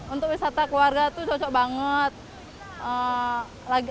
untuk wisata keluarga itu cocok banget